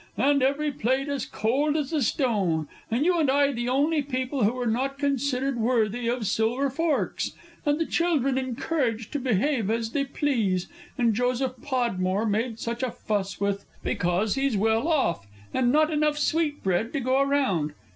And every plate as cold as a stone, and you and I the only people who were not considered worthy of silver forks, and the children encouraged to behave as they please, and Joseph Podmore made such a fuss with, because he's well off and not enough sweetbread to go the round.